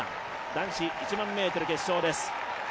男子１００００ｍ決勝です。